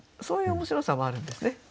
そういう面白さもあるんですね。